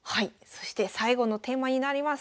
そして最後のテーマになります。